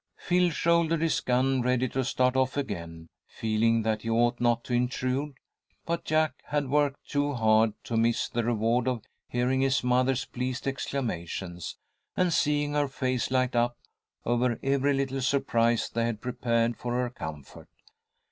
Phil shouldered his gun ready to start off again, feeling that he ought not to intrude, but Jack had worked too hard to miss the reward of hearing his mother's pleased exclamations and seeing her face light up over every little surprise they had prepared for her comfort.